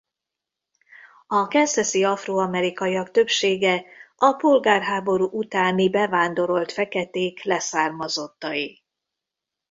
A kansasi afro-amerikaiak többsége a polgárháború utáni bevándorolt feketék leszármazottai.